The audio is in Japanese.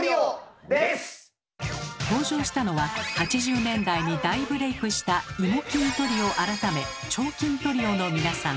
登場したのは８０年代に大ブレイクしたイモ欽トリオ改め「腸菌トリオ」の皆さん。